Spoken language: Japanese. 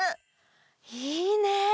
いいね！